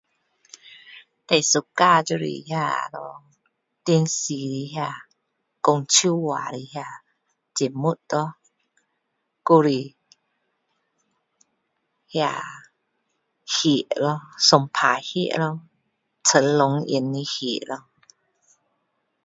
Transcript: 最喜欢就是那咯电视那说笑话的那节目咯还是那戏咯打架戏咯成龙演的戏咯